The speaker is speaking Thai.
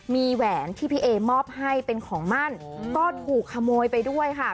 มีแหวนที่พี่เอมอบให้เป็นของมั่นก็ถูกขโมยไปด้วยค่ะ